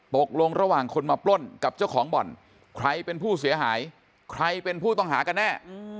ตกลงระหว่างคนมาปล้นกับเจ้าของบ่อนใครเป็นผู้เสียหายใครเป็นผู้ต้องหากันแน่